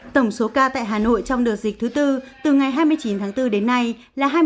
tổng số ca tại hà nội trong đợt dịch thứ tư từ ngày hai mươi chín tháng bốn đến nay là hai mươi tám sáu trăm chín mươi bốn ca